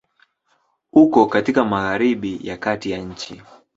Uko katika Magharibi ya Kati ya nchi.